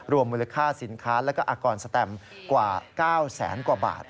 มูลค่าสินค้าและอากรสแตมกว่า๙แสนกว่าบาท